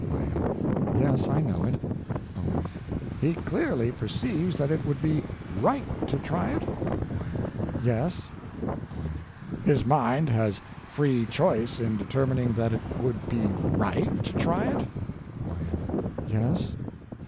Y.M. Yes, I know it. O.M. He clearly perceives that it would be _right _to try it? Y.M. Yes. O.M. His mind has Free Choice in determining that it would be _right _to try it? Y.M. Yes.